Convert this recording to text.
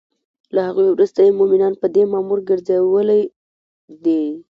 له هغوی وروسته یی مومنان په دی مامور ګرځولی دی